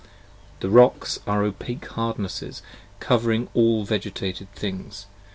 5 The Rocks are opake hardnesses covering all Vegetated things.